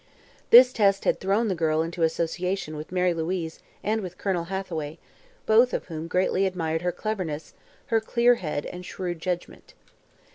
This test had thrown the girl into association with Mary Louise and with Colonel Hathaway, both of whom greatly admired her cleverness, her clear head and shrewd judgment.